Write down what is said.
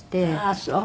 ああそう。